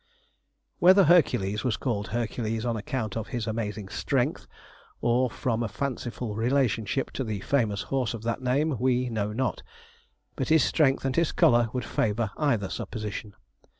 Whether Hercules was called Hercules on account of his amazing strength, or from a fanciful relationship to the famous horse of that name, we know not; but his strength and his colour would favour either supposition.